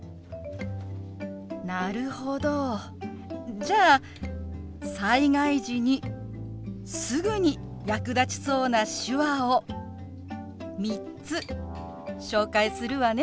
なるほどじゃあ災害時にすぐに役立ちそうな手話を３つ紹介するわね。